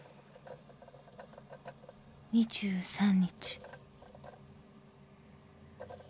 ２３日